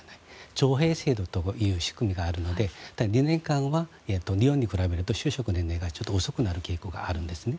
徴兵制度という仕組みがあるので２年間は日本に比べると就職年齢が遅くなる傾向があるんですね。